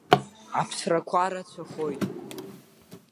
Аԥсрақәа рацәахоит.